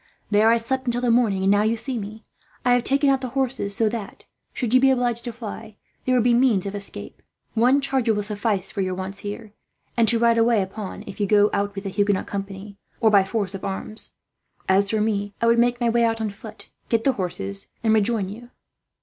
There I slept until the morning, and now you see me. "I have taken out the horses so that, should you be obliged to fly, there would be means of escape. One charger will suffice for your wants here, and to ride away upon if you go out with the Huguenot company, whether peacefully or by force of arms. As for me, I would make my way there on foot, get the horses, and rejoin you."